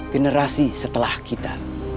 generasi setelah kita